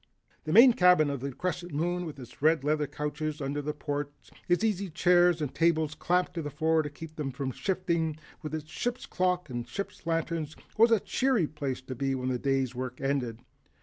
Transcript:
The main cabin of the Crescent Moon, with its red leather couches under the ports, its easy chairs and tables clamped to the floor to keep them from shifting, with its ship's clock and ship's lanterns, was a cheery place to be when the day's work was ended.